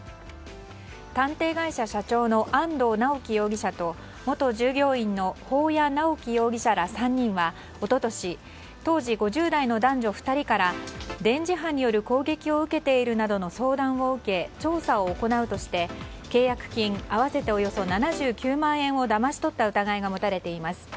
探偵会社社長の安藤巨樹容疑者と元従業員の保谷直紀容疑者ら３人は一昨年当時５０代の男女２人から電磁波による攻撃を受けているなどの相談を受け調査を行うとして契約金合わせておよそ７９万円をだまし取った疑いが持たれています。